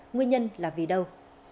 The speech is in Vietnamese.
nguyên nhân là vì đâu